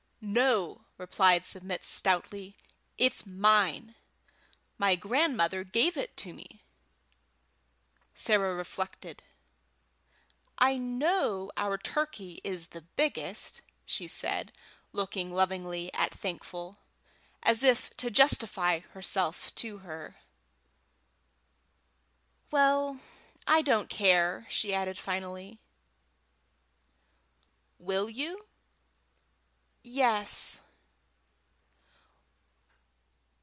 "No," replied Submit stoutly. "It's mine; my grandmother gave it to me." Sarah reflected. "I know our turkey is the biggest," she said, looking lovingly at Thankful, as if to justify herself to her. "Well, I don't care," she added, finally. "Will you?" "Yes."